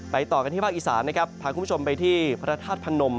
ต่อกันที่ภาคอีสานนะครับพาคุณผู้ชมไปที่พระธาตุพนม